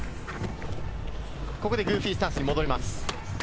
ここでグーフィースタンスに戻ります。